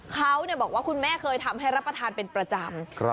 เขาบอกว่าคุณแม่เคยทำให้รับประทานเป็นประจำ